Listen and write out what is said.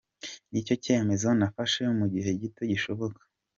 Ni icyemezo nafasha mu gihe gito gishoboka.